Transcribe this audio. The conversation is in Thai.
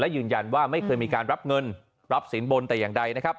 ยืนยันว่าไม่เคยมีการรับเงินรับสินบนแต่อย่างใดนะครับ